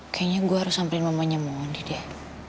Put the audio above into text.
kayaknya gue harus samperin mamanya mondi deh